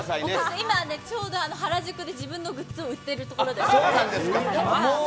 今、ちょうど原宿で自分のグッズを売っているところです。